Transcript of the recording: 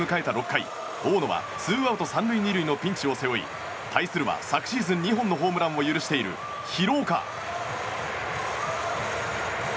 ６回大野は、ツーアウト３塁２塁のピンチを背負い対するは、昨シーズン２本のホームランを許している廣岡。